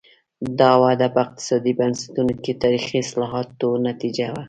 دا وده په اقتصادي بنسټونو کې تاریخي اصلاحاتو نتیجه وه.